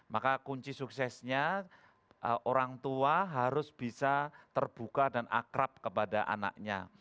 maka kunci suksesnya orang tua harus bisa terbuka dan akrab kepada anaknya